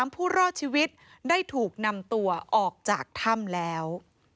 ผู้รอดชีวิตได้ถูกนำตัวออกจากถ้ำแล้ว